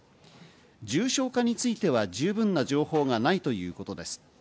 重症化については十分な情報がないということです。